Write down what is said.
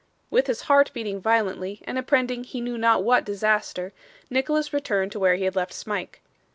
With his heart beating violently, and apprehending he knew not what disaster, Nicholas returned to where he had left Smike.